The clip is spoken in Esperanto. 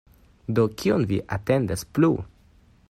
Do, kion vi atendas plu?